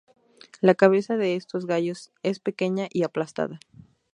La cabeza de estos gallos es pequeña y aplastada.